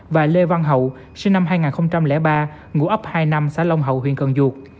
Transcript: và lê văn hậu sinh năm hai nghìn ba ngũ ấp hai xã long hậu huyện cần dụt